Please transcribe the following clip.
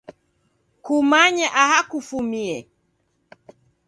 Kumanye aha kufumie.